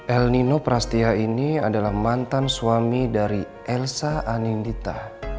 el nino prastya ini adalah mantan suami dari elsa anindita